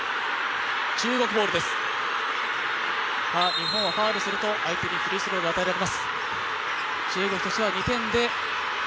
日本はファウルすると相手にフリースローが与えられます。